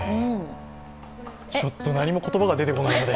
ちょっと何も言葉が出てこないので。